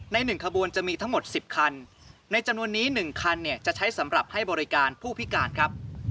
ใน๑ขบวนจะมีทั้งหมด๑๐คันในจำนวนนี้๑คันจะใช้สำหรับให้บริการผู้พิการครับ